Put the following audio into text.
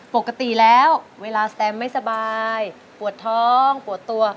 ปกติแล้วเวลาสแตมไม่สบายปวดท้องปวดตัว